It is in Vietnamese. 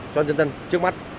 cho nhân dân trước mắt